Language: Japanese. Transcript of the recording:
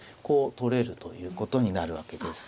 こう取れるということになるわけで。